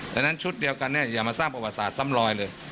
ดังนั้นชุดเดียวกันเนี่ยอย่ามาสร้างประวัติศาสตซ้ำลอยเลย